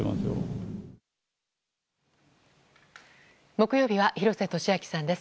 木曜日は廣瀬俊朗さんです。